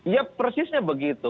ya persisnya begitu